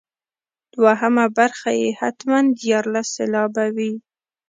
دوهمه برخه یې حتما دیارلس سېلابه وي.